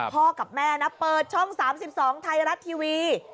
กับแม่นะเปิดช่อง๓๒ไทยรัฐทีวี